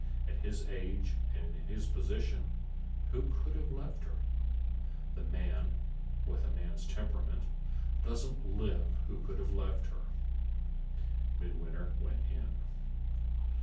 At his age, and in his position, who could have left her? The man (with a man's temperament) doesn't live who could have left her. Midwinter went in.